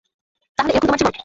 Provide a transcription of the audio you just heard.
তাহলে এরকম তোমার জীবন!